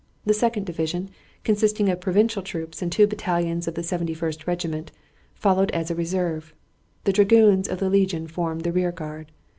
The second division, consisting of provincial troops and two battalions of the Seventy first Regiment, followed as a reserve. The dragoons of the legion formed the rear guard.